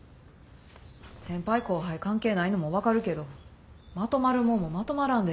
先輩後輩関係ないのも分かるけどまとまるもんもまとまらんで。